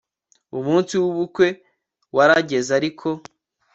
Umunsi wubukwe warageze ariko